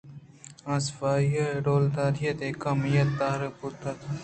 آ صفائی ءُ ڈولداری ئےءِکہ اُمیت دارگ بوتگ ات